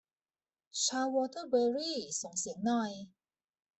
ชาววอเตอร์เบอรี่ ส่งเสียงหน่อย